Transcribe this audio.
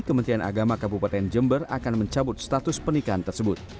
kementerian agama kabupaten jember akan mencabut status pernikahan tersebut